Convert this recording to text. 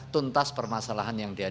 tuntas permasalahan yang diadakan